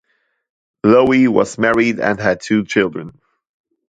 Lowe was married and had two children.